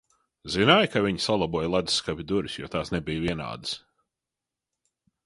Zināji, ka viņa salaboja ledusskapja durvis, jo tās nebija vienādas?